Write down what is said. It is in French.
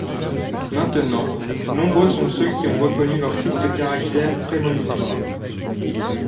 Maintenant, nombreux sont ceux qui ont reconnu leur triste caractère prémonitoire.